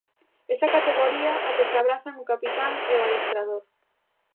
Esa categoría a que se abrazan o capitán e o adestrador.